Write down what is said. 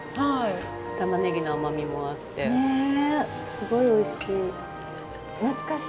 すごいおいしい。